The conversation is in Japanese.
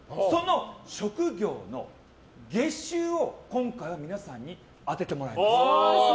その職業の月収を今回は皆さんに当ててもらいます。